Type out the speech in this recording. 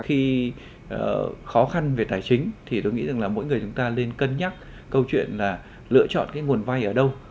khi khó khăn về tài chính thì tôi nghĩ rằng là mỗi người chúng ta nên cân nhắc câu chuyện là lựa chọn cái nguồn vay ở đâu